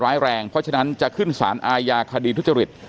ร้ายแรงเพราะฉะนั้นจะขึ้นสารอาญาคดีทุจริต